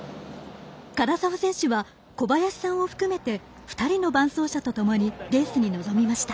唐澤選手は小林さんを含めて２人の伴走者とともにレースに臨みました。